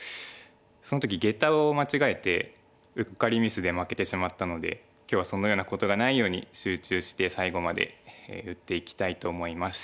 その時ゲタを間違えてうっかりミスで負けてしまったので今日はそのようなことがないように集中して最後まで打っていきたいと思います。